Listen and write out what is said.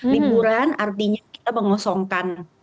liburan artinya kita mengosongkan